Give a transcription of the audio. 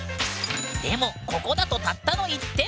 でもここだとたったの１点！